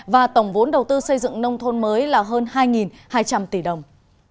và tổng vốn đầu tư xây dựng nông thôn mới là hơn hai hai trăm linh tỷ đồng